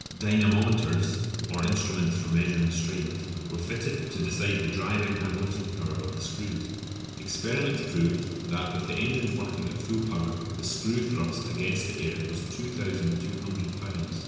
Dynamometers, or instruments for measuring strains, were fitted to decide the driving and lifting power of the screws. Experiments proved that with the engines working at full power the screw thrust against the air was 2200 lbs.